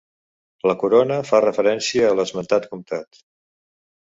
La corona fa referència a l'esmentat comtat.